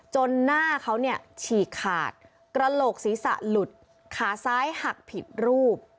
หน้าเขาเนี่ยฉีกขาดกระโหลกศีรษะหลุดขาซ้ายหักผิดรูป